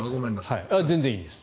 全然いいんです。